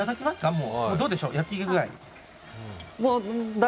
もうどうでしょう、焼き具合。